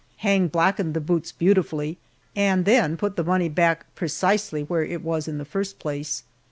Hang blackened the boots beautifully, and then put the money back precisely where it was in the first place.